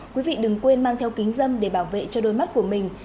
quý vị đừng quên mang theo kính dâm để bảo vệ cho đôi mắt của mình